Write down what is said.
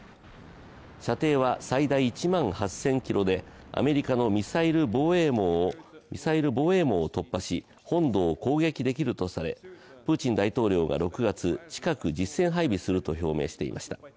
射程は最大１万８０００ｋｍでアメリカのミサイル防衛網を突破し、本土を攻撃できるとされプーチン大統領が６月、近く実戦配備と表明していました。